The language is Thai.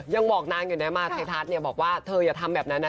ยังบอกนางอยู่นะมาไทยทัศน์เนี่ยบอกว่าเธออย่าทำแบบนั้นนะ